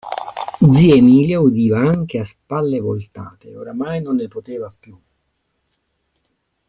Zia Emilia udiva anche a spalle voltate, e oramai non ne poteva più.